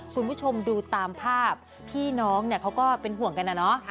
คุณผู้ชมดูตามภาพพี่น้องเนี่ยเขาก็เป็นห่วงกันนะเนาะ